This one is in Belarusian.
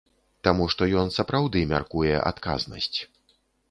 Таму што ён сапраўды мяркуе адказнасць.